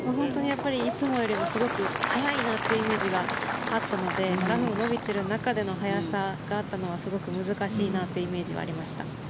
いつもよりもすごく速いなっていうイメージがあったのでラフも伸びてる中での速さがあったのはすごく難しいなというイメージはありました。